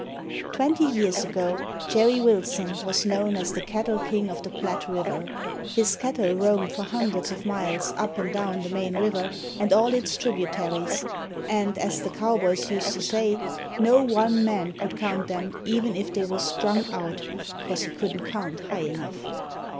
Twenty years ago Jerry Wilson was known as the cattle king of the Platte River. His cattle roamed for hundreds of miles up and down the main river and all its tributaries, and, as the cowboys used to say, no one man could count them even if they was strung out, cause he couldn't count high enough.